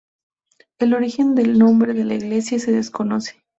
El origen del nombre de la iglesia se desconoce.